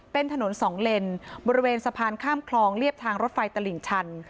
เป็นถนนสองเลนบริเวณสะพานข้ามคลองเรียบทางรถไฟตลิ่งชัน